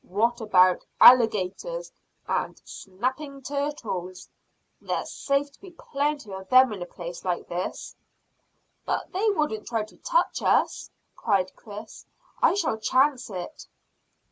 "What about alligators and snapping turtles? There's safe to be plenty of them in a place like this." "But they wouldn't try to touch us," cried Chris. "I shall chance it."